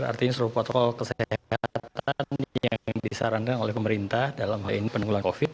berarti ini sebuah protokol kesehatan yang disarankan oleh pemerintah dalam hal ini peninggulan covid sembilan belas